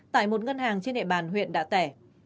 tại một ngân hàng trên hệ bàn huyện đà tẻ